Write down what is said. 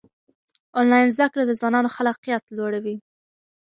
آنلاین زده کړه د ځوانانو خلاقیت لوړوي.